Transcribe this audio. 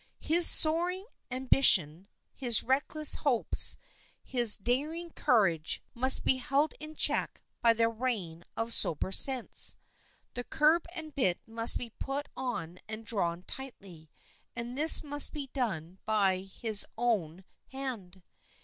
His soaring ambition, his reckless hopes, his daring courage must be held in check by the rein of sober sense. The curb and bit must be put on and drawn tightly, and this must be done by his own hand.